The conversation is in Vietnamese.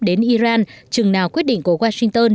đến iran chừng nào quyết định của washington